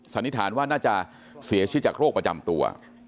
สันนิษฐานว่าน่าจะเสียชีวิตจากโรคประจำตัว